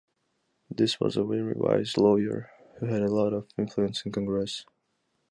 This was a very wise lawyer who had a lot of influence in Congress.